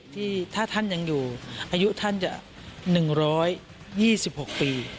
ที่ถ้าท่านยังอยู่อายุท่านจะ๑๒๖ปี